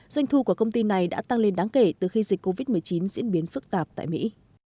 doanh thu của công ty này đã tăng lên đáng kể từ khi dịch covid một mươi chín diễn biến phức tạp tại mỹ